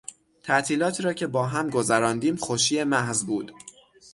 تعطیلاتی را که با هم گذراندیم خوشی محض بود.